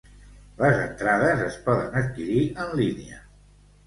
Les entrades es poden adquirir en línia.